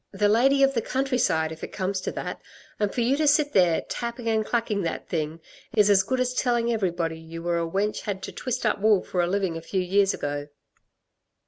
The lady of the countryside, if it comes to that, and for you to sit there, tapping and clacking that thing, is as good as telling everybody y' were a wench had to twist up wool for a living a few years ago."